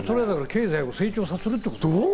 経済を成長させるってこと。